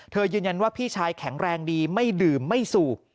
ยืนยันว่าพี่ชายแข็งแรงดีไม่ดื่มไม่สูบ